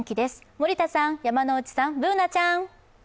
森田さん、山内さん、Ｂｏｏｎａちゃん。